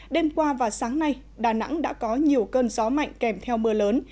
đêm qua và sáng nay đà nẵng đã có nhiều cơn gió mạnh kèm theo mưa lớn